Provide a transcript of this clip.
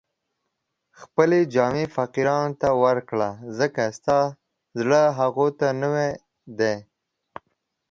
خپلې جامې فقیرانو ته ورکړه، ځکه ستا زړې هغو ته نوې دي